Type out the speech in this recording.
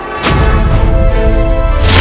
kau pasti penyusup